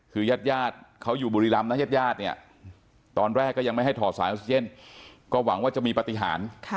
คือญาติญาติเขาอยู่บุรีรำนะญาติญาติเนี่ยตอนแรกก็ยังไม่ให้ถอดสายออกซิเจนก็หวังว่าจะมีปฏิหาร